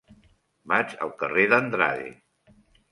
Vaig al carrer d'Andrade.